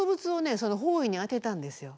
その方位にあてたんですよ。